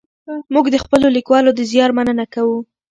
موږ د خپلو لیکوالو د زیار مننه کوو.